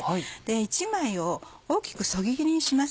１枚を大きくそぎ切りにします。